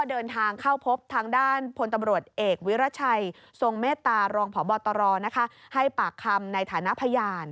เอกวิราชัยทรงเมตตารองผ่อบอตรให้ปากคำในฐานะพยาน